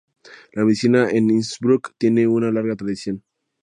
La Medicina en Innsbruck tiene una larga tradición.